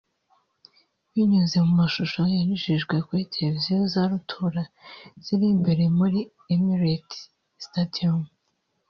binyuze mu mashusho yanyujijwe kuri televiziyo za rutura ziri imbere muri Emirates Stadium